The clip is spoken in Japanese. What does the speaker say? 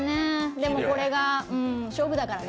でもこれが、勝負だからね。